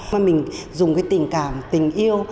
mà mình dùng cái tình cảm tình yêu